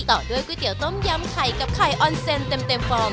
ต่อด้วยก๋วยเตี๋ยต้มยำไข่กับไข่ออนเซนเต็มฟอง